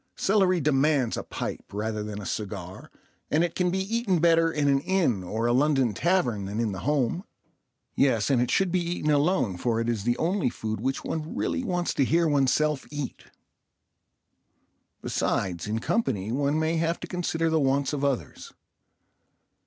Celery demands a pipe rather than a cigar, and it can be eaten better in an inn or a London tavern than in the home. Yes, and it should be eaten alone, for it is the only food which one really wants to hear oneself eat. Besides, in company one may have to consider the wants of others.